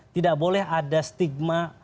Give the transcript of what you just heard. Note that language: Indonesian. tidak boleh ada stigma